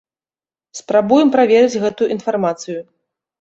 Спрабуем праверыць гэту інфармацыю.